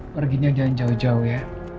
perginya jangan jauh jauh ya